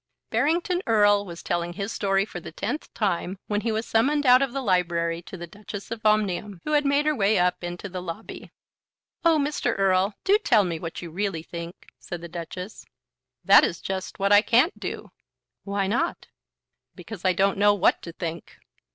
Barrington Erle was telling his story for the tenth time when he was summoned out of the Library to the Duchess of Omnium, who had made her way up into the lobby. "Oh, Mr. Erle, do tell me what you really think," said the Duchess. "That is just what I can't do." "Why not?" "Because I don't know what to think."